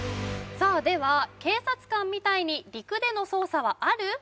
さあでは警察官みたいに陸での捜査はある？